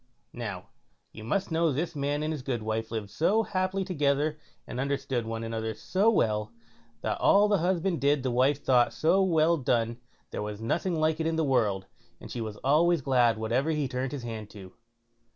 Now, you must know this man and his goodwife lived so happily together, and understood one another so well, that all the husband did the wife thought so well done there was nothing like it in the world, and she was always glad whatever he turned his hand to.